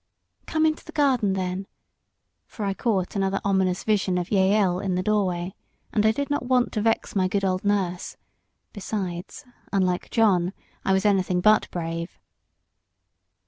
"Come into the garden then" for I caught another ominous vision of Jael in the doorway, and I did not want to vex my good old nurse; besides, unlike John, I was anything but brave.